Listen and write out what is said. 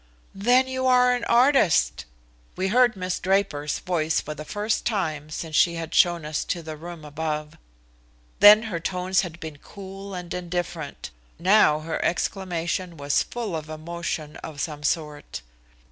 "Then you are an artist!" We heard Miss Draper's voice for the first time since she had shown us to the room above. Then her tones had been cool and indifferent. Now her exclamation was full of emotion of some sort.